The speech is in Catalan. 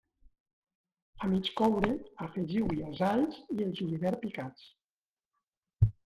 A mig coure, afegiu-hi els alls i el julivert picats.